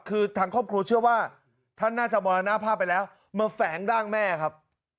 คือทางครอบครัวเชื่อว่าท่านน่าจะมรณภาพไปแล้วมาแฝงร่างแม่ครับ